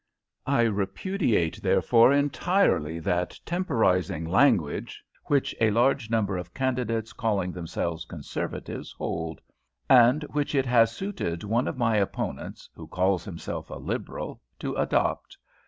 I repudiate, therefore, entirely that temporising language which a large number of candidates calling themselves Conservatives hold, and which it has suited one of my opponents, who calls himself a Liberal, to adopt.